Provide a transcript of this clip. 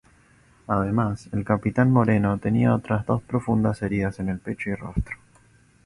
Además el capitán Moreno tenía otras dos profundas heridas en pecho y rostro.